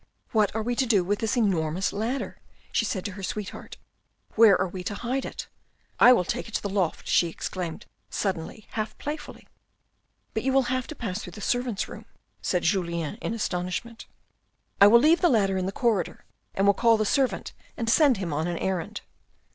What are we to do with this enormous ladder ?" she said to her sweetheart, " where are we to hide it ? I will take it to the loft," she exclaimed suddenly half playfully. " But you will have to pass through the servants' room," said Julien in astonishment. " I will leave the ladder in the corridor and will call the servant and send him on an errand."